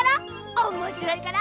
おもしろいから！